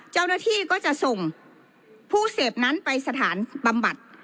เจ้าหน้าที่ก็จะส่งผู้เสพนั้นไปสถานบำบัด